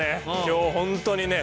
今日本当にね。